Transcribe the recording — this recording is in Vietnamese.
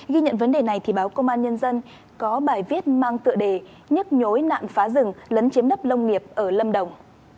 ghi nhận vấn đề này thì báo công an nhân dân có bài viết mang tựa đề nhức nhối nạn phá rừng lấn chiếm đất lâm nghiệp ở lâm đồng